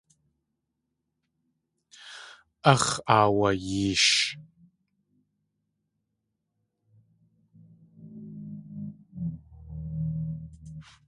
Áx̲ aawayeesh.